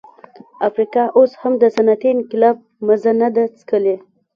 افریقا اوس هم د صنعتي انقلاب مزه نه ده څکلې.